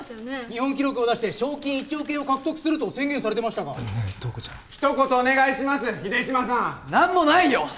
日本記録を出して賞金１億円を獲得すると宣言されてましたが塔子ちゃん一言お願いします秀島さん何もないよ！